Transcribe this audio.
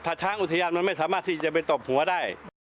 ถ้าช้างอุทยานมันไม่สามารถที่จะไปตบหัวได้